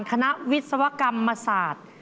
คณะวิศวกรรมศาสตร์